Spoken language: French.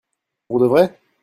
Pour de vrai ?